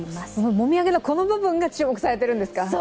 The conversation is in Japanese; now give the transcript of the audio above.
もみあげのこの部分が注目されているんですか。